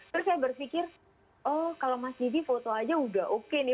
terus saya berpikir oh kalau mas didi foto aja udah oke nih